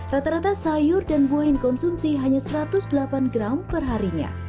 rata rata sayur dan buah yang dikonsumsi hanya satu ratus delapan gram perharinya